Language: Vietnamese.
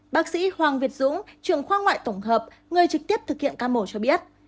bác sĩ hoàng việt dũng trường khoa ngoại tổng hợp người trực tiếp thực hiện ca mổ cho biết